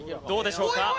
どうでしょうか？